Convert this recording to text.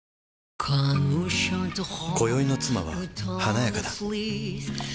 今宵の妻は華やかだ